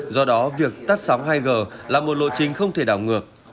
do đó việc tắt sóng hai g là một lộ trình không thể đảo ngược